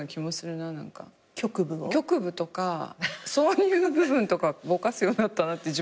局部とかそういう部分とかぼかすようになったなって。